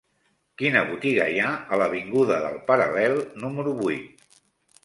Quina botiga hi ha a l'avinguda del Paral·lel número vuit?